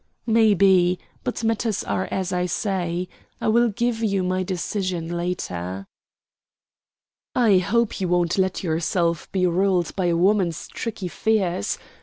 "Maybe; but matters are as I say. I will give you my decision later." "I hope you won't let yourself be ruled by a woman's tricky fears.